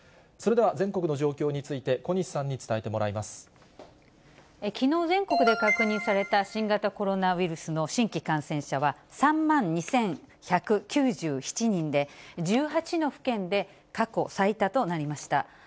それでは全国の状況について、きのう、全国で確認された新型コロナウイルスの新規感染者は３万２１９７人で、１８の府県で過去最多となりました。